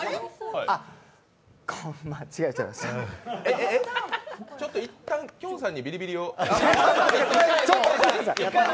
あっ、間違えちゃいましたえっ、えっ、いったんきょんさんにビリビリを。